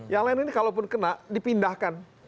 yang lain ini kalaupun kena dipindahkan